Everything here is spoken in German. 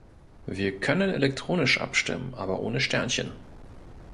Wir können elektronisch abstimmen, aber ohne Sternchen.